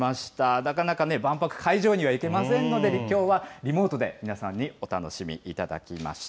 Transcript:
なかなかね、万博会場には行けませんので、きょうはリモートで、皆さんにお楽しみいただきました。